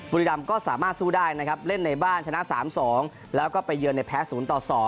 บุรีรำก็สามารถสู้ได้นะครับเล่นในบ้านชนะ๓๒แล้วก็ไปเยือนในแพ้๐ต่อ๒